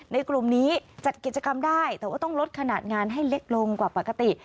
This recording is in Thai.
กลุ่มนี้จัดกิจกรรมได้แต่ว่าต้องลดขนาดงานให้เล็กลงกว่าปกติ